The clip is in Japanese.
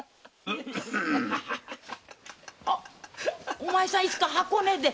お前さんいつか箱根で。